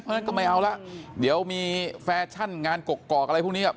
เพราะฉะนั้นก็ไม่เอาละเดี๋ยวมีแฟชั่นงานกกอกอะไรพวกนี้